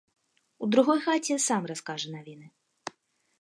У другой хаце сам раскажа навіны.